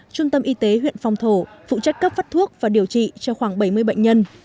trung tâm y tế huyện phong thổ phụ trách cấp phát thuốc và điều trị cho khoảng bảy mươi bệnh nhân